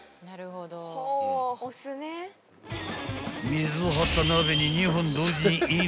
［水を張った鍋に２本同時にイン］